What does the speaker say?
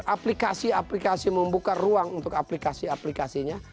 aplikasi aplikasi membuka ruang untuk aplikasi aplikasinya